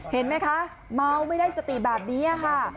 เห็นไหมคะเมาไม่ได้สติแบบนี้ค่ะ